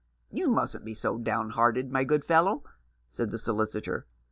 "You mustn't be so downhearted, my good fellow," said the solicitor.